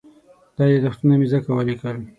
دا یادښتونه مې ځکه وليکل.